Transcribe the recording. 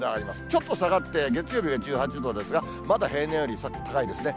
ちょっと下がって月曜日は１８度ですが、まだ平年より高いですね。